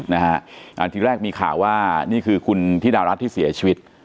นะฮะอ่าทีแรกมีข่าวว่านี่คือคุณธิดารัฐที่เสียชีวิต